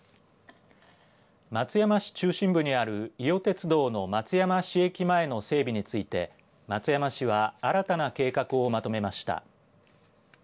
松山市中心部にある伊予鉄道の松山市駅前の整備について松山市は新たな計画をまとめました。